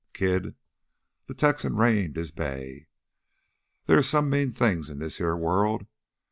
"Kid " the Texan reined his bay "there is some mean things in this heah world.